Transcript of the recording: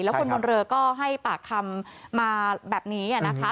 แล้วคนบนเรือก็ให้ปากคำมาแบบนี้นะคะ